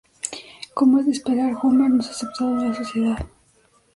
Como es de esperar, Homer no es aceptado en la sociedad.